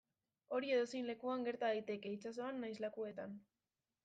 Hori edozein lekuan gerta daiteke, itsasoan nahiz lakuetan.